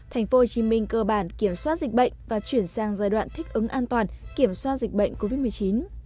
tp hcm cơ bản kiểm soát dịch bệnh và chuyển sang giai đoạn thích ứng an toàn kiểm soát dịch bệnh covid một mươi chín